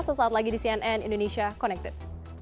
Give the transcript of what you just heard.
sesaat lagi di cnn indonesia connected